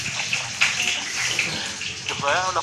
نړیوال سازمانونه د ثبات په راوستلو کي لویه ونډه لري.